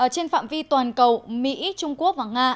trên phạm vi toàn cầu mỹ trung quốc và nga